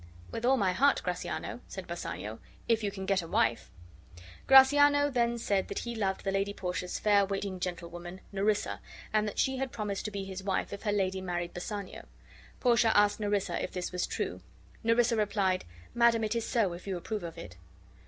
"With all my heart, Gratiano," said Bassanio, "if you can get a wife." Gratiano then said that he loved the Lady Portia's fair waiting gentlewoman, Nerissa, and that she had promised to be his wife if her lady married Bassanio. Portia asked Nerissa if this was true. Nerissa replied: "Madam, it is so, if you approve of it."